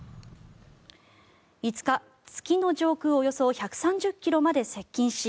５日、月の上空およそ１３０ｋｍまで接近し